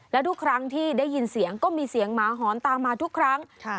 แล้วทุกครั้งที่ได้ยินเสียงก็มีเสียงหมาหอนตามมาทุกครั้ง